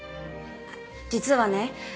実はね